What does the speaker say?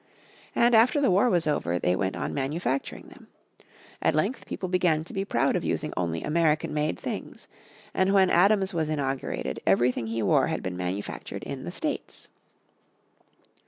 And after the war was over, they went on manufacturing them. At length people began to be proud of using only American made things. And when Adams was inaugurated everything he wore had been manufactured in the States.